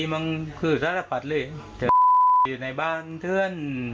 มันคือปัดเลยในบ้านให้เทือน